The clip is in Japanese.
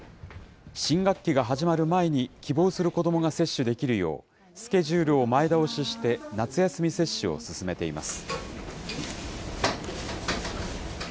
新学期が始まる前に希望する子どもが接種できるよう、スケジュールを前倒しして、夏休み接種を進めています。